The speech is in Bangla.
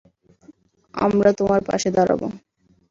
আমরা তোমার পাশে দাঁড়াব।